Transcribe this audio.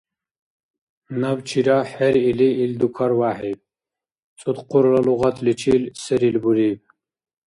Набчира хӀеръили, ил дукарвяхӀиб, цӀудхъурла лугъатличил серил буриб.